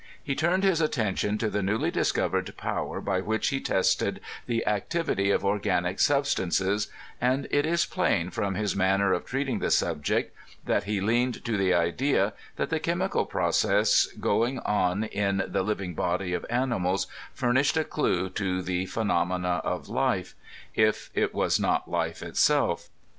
He turned his atten tion to the newly discovered power by which he tested the ac tivity of organic substances; and it is plain, from his manner of treating the subject, that he leaned to the idea that the chemical process going on in the living body of animals furnished a clue to the phenomena of life, if it was not life itself.